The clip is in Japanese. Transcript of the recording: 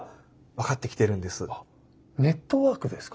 あネットワークですか。